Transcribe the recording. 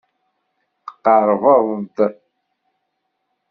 Tqerrbeḍ-d.